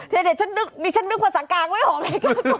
เดี๋ยวฉันนึกภาษากลางไม่เหาะเลย